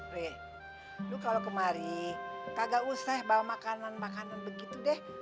aduh kalau kemari kagak usah bawa makanan makanan begitu deh